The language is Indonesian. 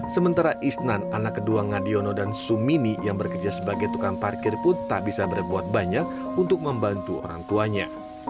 sementara isnan anak kedua ngadiono dan sumini yang bekerja sebagai tukang parkir pun tak bisa berbuat banyak untuk membantu orang tuanya